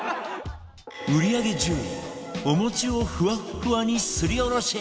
売り上げ１０位お餅をふわっふわにすりおろし